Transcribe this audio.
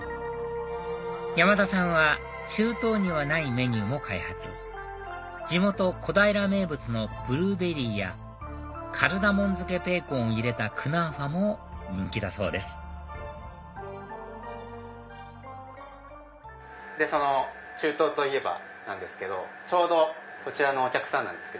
山田さんは中東にはないメニューも開発地元小平名物のブルーベリーやカルダモン漬けベーコンを入れたクナーファも人気だそうです中東といえばなんですけどちょうどこちらのお客さん。